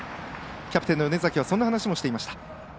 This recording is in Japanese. キャプテンの米崎はそんな話もしていました。